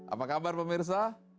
apa kabar pemirsa